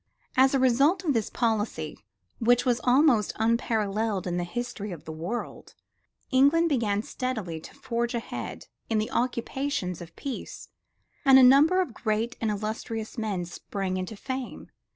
As a result of this policy, which was almost unparalleled in the history of the world, England began steadily to forge ahead in the occupations of peace, and a number of great and illustrious men sprang into fame.